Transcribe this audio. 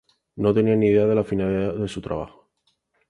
No tenían ni idea de la finalidad de su trabajo.